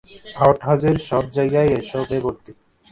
Out হাউজের সবজায়গায় এসবে ভর্তি।